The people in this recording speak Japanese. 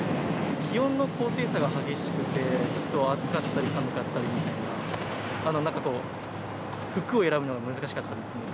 気温の高低差が激しくて、ちょっと暑かったり寒かったり、あとなんか、服を選ぶのが難しかったですね。